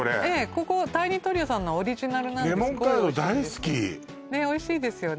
ここタイニートリアさんのはオリジナルなのでレモンカード大好きねえおいしいですよね